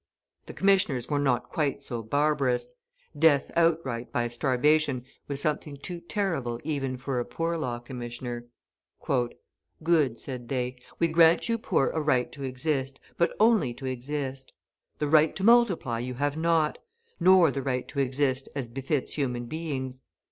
The commissioners were not quite so barbarous; death outright by starvation was something too terrible even for a Poor Law Commissioner. "Good," said they, "we grant you poor a right to exist, but only to exist; the right to multiply you have not, nor the right to exist as befits human beings.